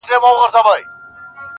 راوړې فریسو یې د تن خاوره له باګرامه,